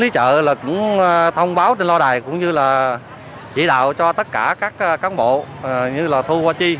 chúng tôi đã chỉ đạo cho tất cả các cán bộ như là thu hoa chi